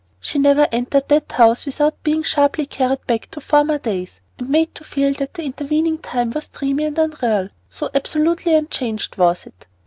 She never entered that house without being sharply carried back to former days, and made to feel that the intervening time was dreamy and unreal, so absolutely unchanged was it.